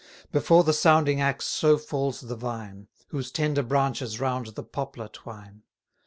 Before the sounding axe so falls the vine, Whose tender branches round the poplar twine.